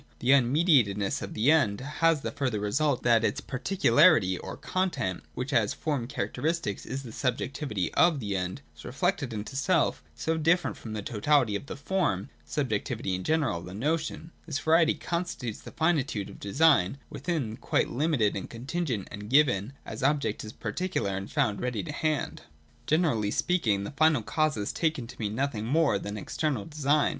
The un mediatedness of the End has the further result that its particularity or con tent — which as form characteristic is the subjectivity of the End — is reflected into self, and so different from the totality of the form, subjectivity in general, the notion. This variety constitutes the finitude of Design within its own nature. The content of the End, in this way, is quite as limited, contingent, and given, as the object is particular and found ready to hand. Generally speaking, the final cause is taken to mean nothing more than external design.